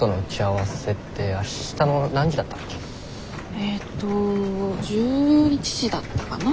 えっと１１時だったかな？